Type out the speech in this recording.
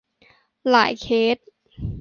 หลายเคส